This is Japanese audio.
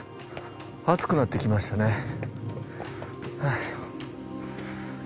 暑くなってきましたね。